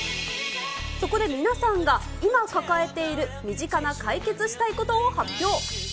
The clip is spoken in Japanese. そこで皆さんが今抱えている身近な解決したいことを発表。